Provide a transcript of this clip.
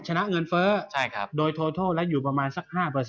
ชนะเงินเฟ้อโดยโทษแล้วอยู่ประมาณสัก๕